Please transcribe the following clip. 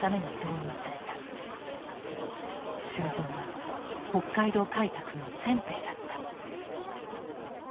囚人は北海道開拓の先兵だった。